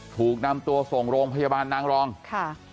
ถูกนำตัวส่งโรงพยาบาลนางรองค่ะ